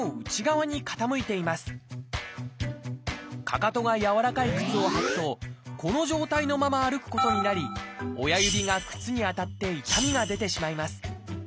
かかとが柔らかい靴を履くとこの状態のまま歩くことになり親指が靴に当たって痛みが出てしまいます。